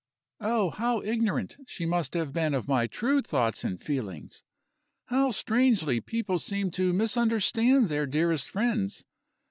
Oh, how ignorant she must have been of my true thoughts and feelings! How strangely people seem to misunderstand their dearest friends!